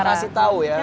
nih gue kasih tau ya